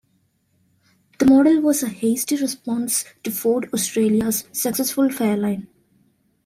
The model was a hasty response to Ford Australia's successful Fairlane.